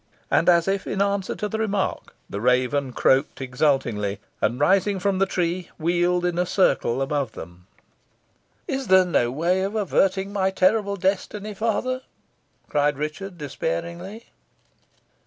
And, as if in answer to the remark, the raven croaked exultingly; and, rising from the tree, wheeled in a circle above them. "Is there no way of averting my terrible destiny, father?" cried Richard, despairingly.